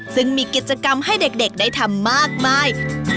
ซึ่งมีกิจกรรมให้เด็กได้ทำมากมาย